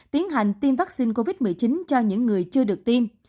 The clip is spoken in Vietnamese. tiến hành tiêm vaccine covid một mươi chín cho những người chưa được tiêm